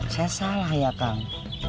saya salah ya kang